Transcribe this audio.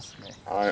はい。